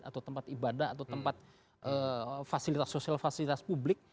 atau tempat ibadah atau tempat fasilitas sosial fasilitas publik